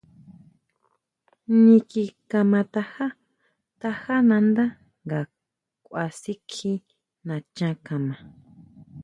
Niki kama tajá, tajá nandá nga kʼua si kjí nachan kama.